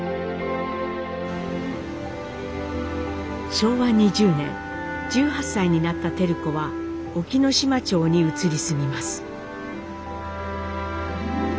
昭和２０年１８歳になった照子は隠岐の島町に移り住みます。